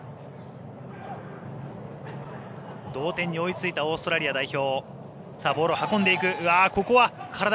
同点に追いついたオーストラリア代表。